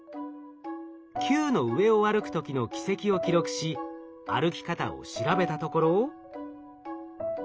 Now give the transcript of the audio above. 球の上を歩く時の軌跡を記録し歩き方を調べたところ。